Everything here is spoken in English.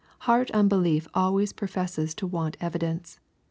Heart unbelief always profes^^es to want evidence.